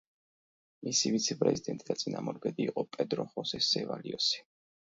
მისი ვიცე-პრეზიდენტი და წინამორბედი იყო პედრო ხოსე სევალიოსი.